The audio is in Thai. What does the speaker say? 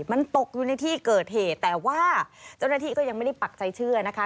มันตกอยู่ในที่เกิดเหตุแต่ว่าเจ้าหน้าที่ก็ยังไม่ได้ปักใจเชื่อนะคะ